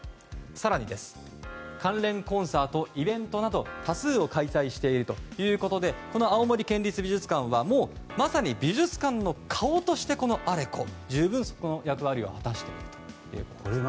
更に、関連コンサートイベントなど多数を開催しているということでこの青森県立美術館はまさに美術館の顔として「アレコ」は十分、その役割を果たしているということです。